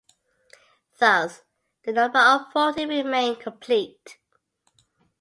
Thus the number of forty remained complete.